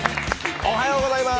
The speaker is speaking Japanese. おはようございます。